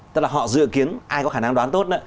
tức là họ dự kiến ai có khả năng đón tốt